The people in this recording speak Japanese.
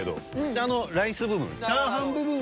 下のライス部分。